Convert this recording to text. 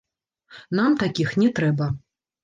Нам такіх не трэба.